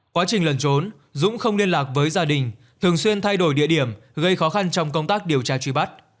quá trình lần trốn dũng không liên lạc với gia đình thường xuyên thay đổi địa điểm gây khó khăn trong công tác điều tra truy bắt